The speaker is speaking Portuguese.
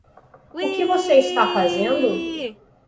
O que você está fazendo?